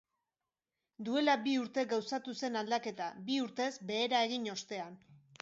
Duela bi urte gauzatu zen aldaketa, bi urtez behera egin ostean.